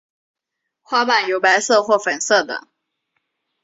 花瓣有白色或粉色的。